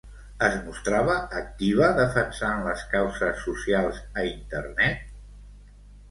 Es mostrava activa defensant les causes socials a Internet?